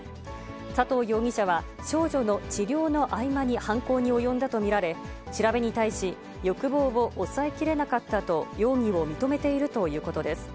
佐藤容疑者は、少女の治療の合間に犯行に及んだと見られ、調べに対し、欲望を抑えきれなかったと容疑を認めているということです。